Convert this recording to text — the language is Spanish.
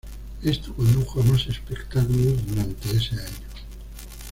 Esto condujo a más espectáculos durante ese año.